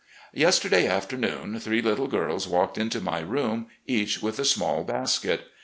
. Yesterday afternoon three little girls walked into my room, each with a small basket.